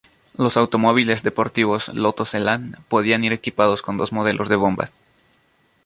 Los automóviles deportivos Lotos Elan podían ir equipados con dos modelos de bombas.